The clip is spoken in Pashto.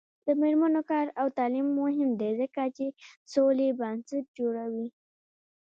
د میرمنو کار او تعلیم مهم دی ځکه چې سولې بنسټ جوړوي.